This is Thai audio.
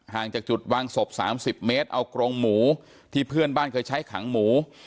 จากจุดวางศพ๓๐เมตรเอากรงหมูที่เพื่อนบ้านเคยใช้ขังหมู